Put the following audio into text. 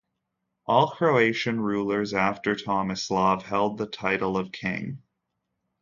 All Croatian rulers after Tomislav held the title of "king".